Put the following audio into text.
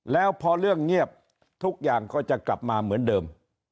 แล้วพอเรื่องเงียบทุกอย่างก็จะกลับมาเหมือนเดิม